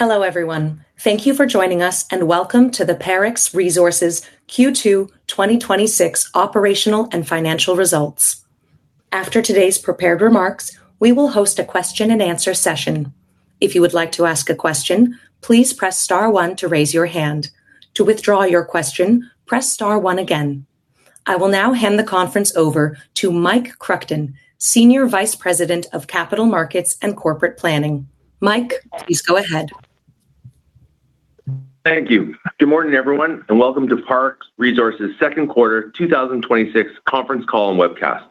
Hello, everyone. Thank you for joining us, and welcome to the Parex Resources Q2 2026 Operational and Financial Results. After today's prepared remarks, we will host a question and answer session. If you would like to ask a question, please press star one to raise your hand. To withdraw your question, press star one again. I will now hand the conference over to Mike Kruchten, Senior Vice President of Capital Markets and Corporate Planning. Mike, please go ahead. Thank you. Good morning, everyone, and welcome to Parex Resources' second quarter 2026 conference call and webcast.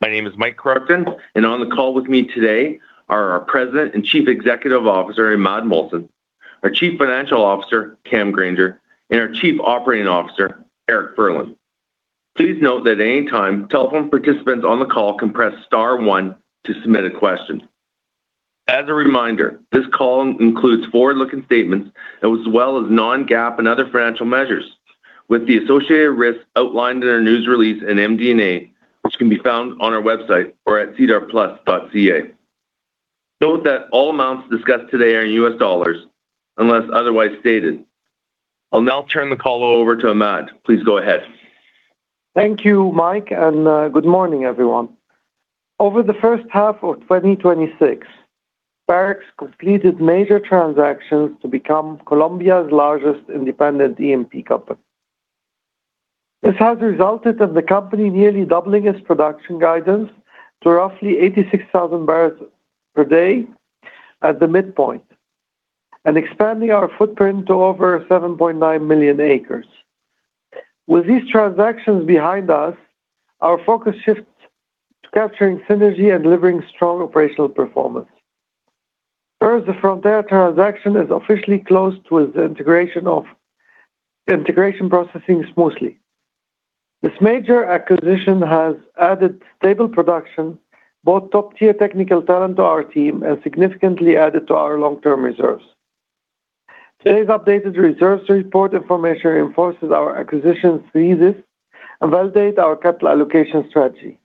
My name is Mike Kruchten, and on the call with me today are our President and Chief Executive Officer, Imad Mohsen, our Chief Financial Officer, Cam Grainger, and our Chief Operating Officer, Eric Furlan. Please note that at any time, telephone participants on the call can press star one to submit a question. As a reminder, this call includes forward-looking statements as well as non-GAAP and other financial measures with the associated risks outlined in our news release in MD&A, which can be found on our website or at sedarplus.ca. Note that all amounts discussed today are in US dollars unless otherwise stated. I'll now turn the call over to Imad. Please go ahead. Thank you, Mike, and good morning, everyone. Over the first half of 2026, Parex completed major transactions to become Colombia's largest independent E&P company. This has resulted in the company nearly doubling its production guidance to roughly 86,000 barrels per day at the midpoint and expanding our footprint to over 7.9 million acres. With these transactions behind us, our focus shifts to capturing synergy and delivering strong operational performance. First, the Frontera transaction is officially closed with the integration processing smoothly. This major acquisition has added stable production, both top-tier technical talent to our team, and significantly added to our long-term reserves. Today's updated reserves report information reinforces our acquisition thesis and validates our capital allocation strategy.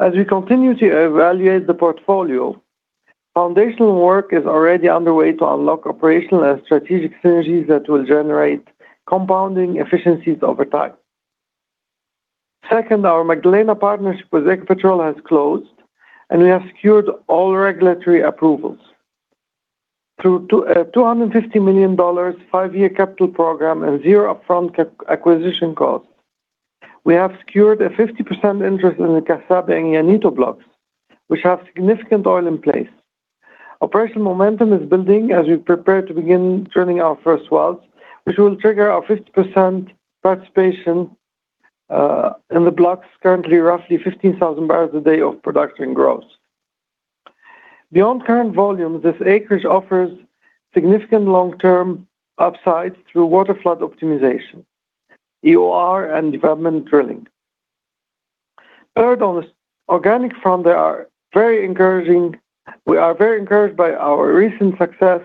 As we continue to evaluate the portfolio, foundational work is already underway to unlock operational and strategic synergies that will generate compounding efficiencies over time. Second, our Magdalena partnership with Ecopetrol has closed, and we have secured all regulatory approvals. Through a $250 million five-year capital program and zero upfront acquisition costs, we have secured a 50% interest in the Casabe and Llanito blocks, which have significant oil in place. Operational momentum is building as we prepare to begin drilling our first wells, which will trigger our 50% participation in the blocks, currently roughly 15,000 bbl a day of production growth. Beyond current volumes, this acreage offers significant long-term upside through water flood optimization, EOR, and development drilling. Third, on the organic front, we are very encouraged by our recent success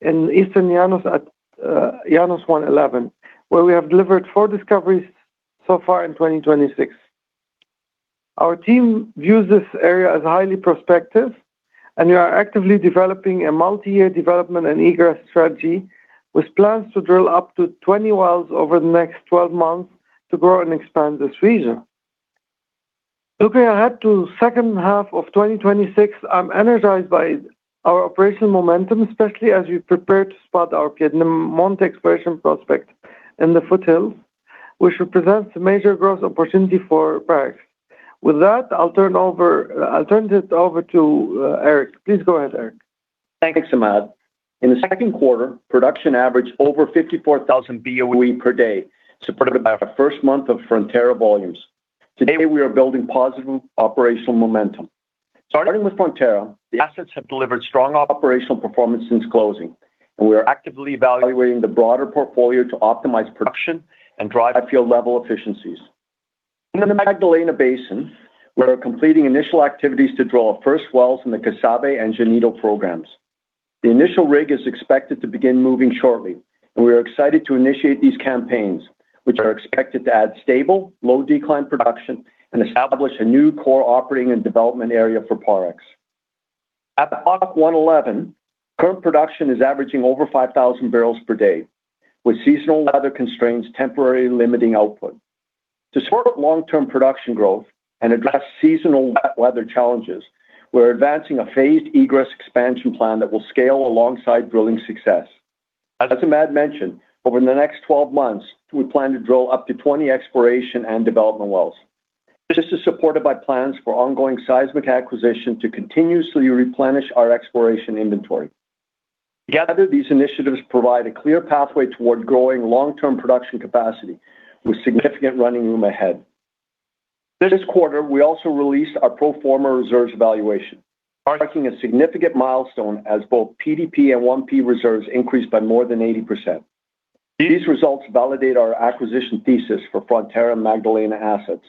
in Eastern Llanos at Llanos-111, where we have delivered four discoveries so far in 2026. Our team views this area as highly prospective. We are actively developing a multi-year development and egress strategy with plans to drill up to 20 wells over the next 12 months to grow and expand this region. Looking ahead to the second half of 2026, I'm energized by our operational momentum, especially as we prepare to spot our Piedemonte exploration prospect in the foothills, which represents a major growth opportunity for Parex. With that, I'll turn it over to Eric. Please go ahead, Eric. Thanks, Imad. In the second quarter, production averaged over 54,000 BOE per day, supported by our first month of Frontera volumes. Today, we are building positive operational momentum. Starting with Frontera, the assets have delivered strong operational performance since closing. We are actively evaluating the broader portfolio to optimize production and drive field-level efficiencies. In the Magdalena Basin, we are completing initial activities to drill our first wells in the Casabe and Llanito programs. The initial rig is expected to begin moving shortly. We are excited to initiate these campaigns, which are expected to add stable, low-decline production and establish a new core operating and development area for Parex. At Block 111, current production is averaging over 5,000 bbl per day, with seasonal weather constraints temporarily limiting output. To support long-term production growth and address seasonal weather challenges, we're advancing a phased egress expansion plan that will scale alongside drilling success. As Imad mentioned, over the next 12 months, we plan to drill up to 20 exploration and development wells. This is supported by plans for ongoing seismic acquisition to continuously replenish our exploration inventory. Together, these initiatives provide a clear pathway toward growing long-term production capacity with significant running room ahead. This quarter, we also released our pro forma reserves evaluation, marking a significant milestone as both PDP and 1P reserves increased by more than 80%. These results validate our acquisition thesis for Frontera Magdalena assets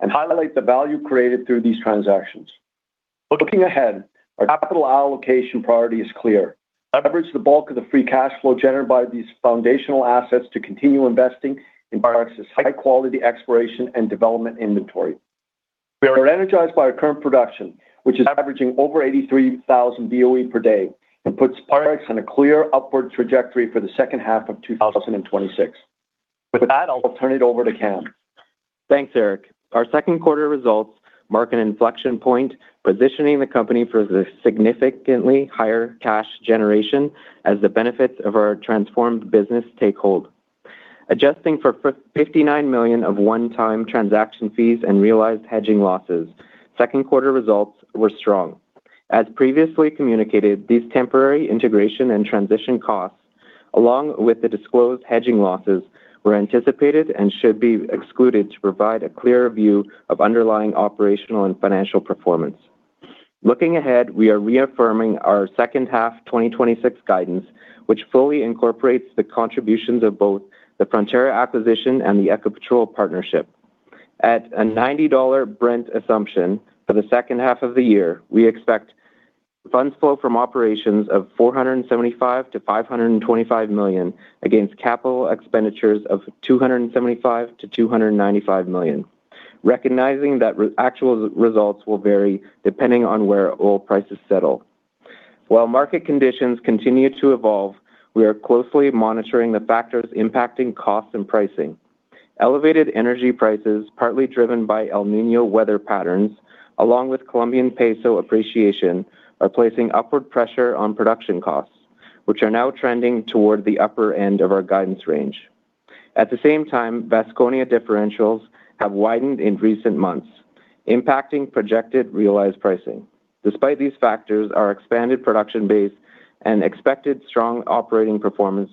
and highlight the value created through these transactions. Looking ahead, our capital allocation priority is clear. Leverage the bulk of the free cash flow generated by these foundational assets to continue investing in Parex's high-quality exploration and development inventory. We are energized by our current production, which is averaging over 83,000 BOE per day and puts Parex on a clear upward trajectory for the second half of 2026. With that, I'll turn it over to Cam. Thanks, Eric. Our second quarter results mark an inflection point, positioning the company for significantly higher cash generation as the benefits of our transformed business take hold. Adjusting for $59 million of one-time transaction fees and realized hedging losses, second quarter results were strong. As previously communicated, these temporary integration and transition costs, along with the disclosed hedging losses, were anticipated and should be excluded to provide a clearer view of underlying operational and financial performance. Looking ahead, we are reaffirming our second half 2026 guidance, which fully incorporates the contributions of both the Frontera acquisition and the Ecopetrol partnership. At a $90 Brent assumption for the second half of the year, we expect funds flow from operations of $475 million-$525 million against capital expenditures of $275 million-$295 million, recognizing that actual results will vary depending on where oil prices settle. While market conditions continue to evolve, we are closely monitoring the factors impacting costs and pricing. Elevated energy prices, partly driven by El Niño weather patterns, along with Colombian peso appreciation, are placing upward pressure on production costs, which are now trending toward the upper end of our guidance range. At the same time, Vasconia differentials have widened in recent months, impacting projected realized pricing. Despite these factors, our expanded production base and expected strong operating performance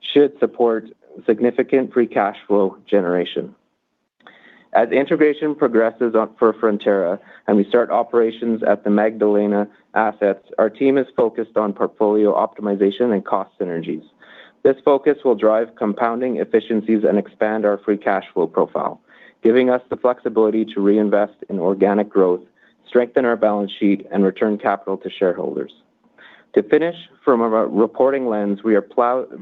should support significant free cash flow generation. As integration progresses for Frontera and we start operations at the Magdalena assets, our team is focused on portfolio optimization and cost synergies. This focus will drive compounding efficiencies and expand our free cash flow profile, giving us the flexibility to reinvest in organic growth, strengthen our balance sheet, and return capital to shareholders. To finish from a reporting lens, we are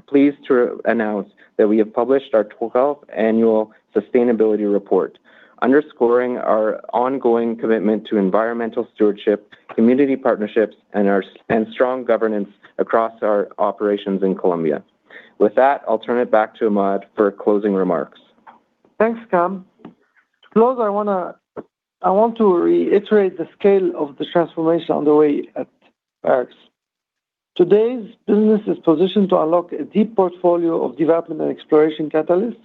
pleased to announce that we have published our 12th Annual Sustainability Report, underscoring our ongoing commitment to environmental stewardship, community partnerships, and strong governance across our operations in Colombia. With that, I'll turn it back to Imad for closing remarks. Thanks, Cam. To close, I want to reiterate the scale of the transformation underway at Parex. Today's business is positioned to unlock a deep portfolio of development and exploration catalysts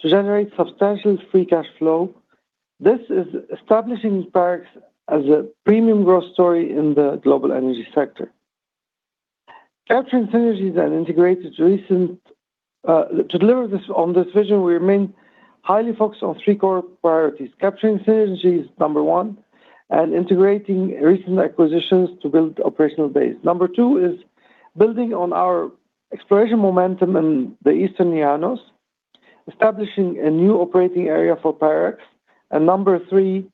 to generate substantial free cash flow. This is establishing Parex as a premium growth story in the global energy sector. To deliver on this vision, we remain highly focused on three core priorities: capturing synergies, number one, and integrating recent acquisitions to build operational base. Number two is building on our exploration momentum in the Eastern Llanos, establishing a new operating area for Parex. Number three,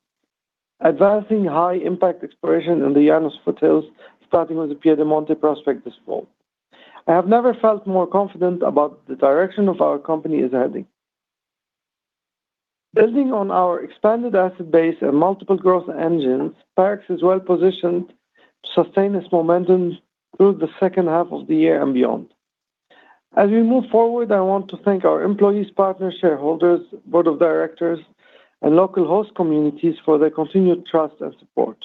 advancing high-impact exploration in the Llanos Foothills, starting with the Piedemonte prospect this fall. I have never felt more confident about the direction of our company is heading. Building on our expanded asset base and multiple growth engines, Parex is well positioned to sustain its momentum through the second half of the year and beyond. As we move forward, I want to thank our employees, partners, shareholders, board of directors, and local host communities for their continued trust and support.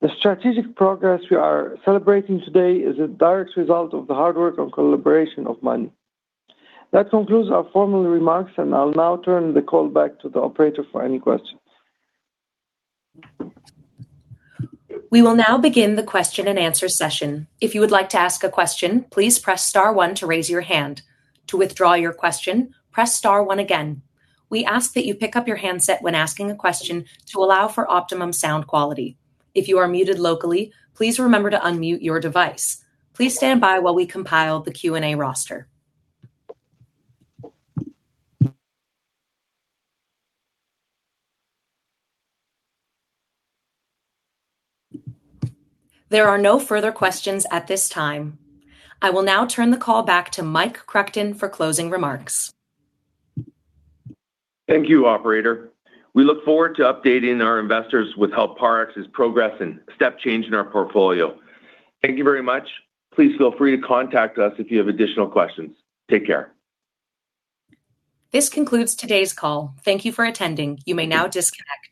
The strategic progress we are celebrating today is a direct result of the hard work and collaboration of many. That concludes our formal remarks, and I'll now turn the call back to the operator for any questions. We will now begin the question and answer session. If you would like to ask a question, please press star one to raise your hand. To withdraw your question, press star one again. We ask that you pick up your handset when asking a question to allow for optimum sound quality. If you are muted locally, please remember to unmute your device. Please stand by while we compile the Q&A roster. There are no further questions at this time. I will now turn the call back to Mike Kruchten for closing remarks. Thank you, operator. We look forward to updating our investors with how Parex is progressing, step change in our portfolio. Thank you very much. Please feel free to contact us if you have additional questions. Take care. This concludes today's call. Thank you for attending. You may now disconnect.